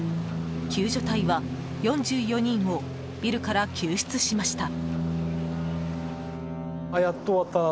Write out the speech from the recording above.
救助隊は４４人をビルから救出しました。